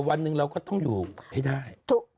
วันหนึ่งเราก็ต้องอยู่ให้ได้